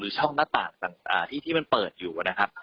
ช่องหน้าต่างที่มันเปิดอยู่นะครับ